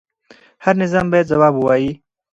هر نظام باید ځواب ووایي